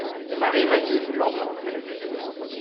Marie Mahieu (langue française).